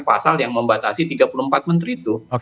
pasal yang membatasi tiga puluh empat menteri itu